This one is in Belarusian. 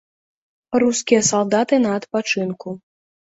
Рускія салдаты на адпачынку.